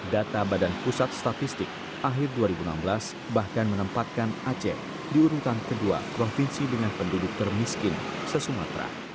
data badan pusat statistik akhir dua ribu enam belas bahkan menempatkan aceh diurungkan kedua provinsi dengan penduduk termiskin sesumatra